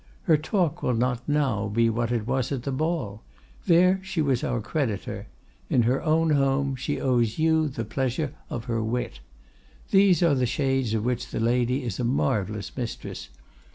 Her talk will not now be what it was at the ball; there she was our creditor; in her own home she owes you the pleasure of her wit. These are the shades of which the lady is a marvelous mistress.